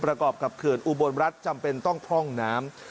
ประกอบกับเขื่อนอุบลรัฐจำเป็นต้องพร่องน้ำ